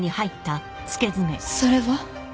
それは？